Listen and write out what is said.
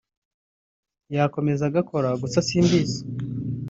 yakomeza agakora gusa simbizi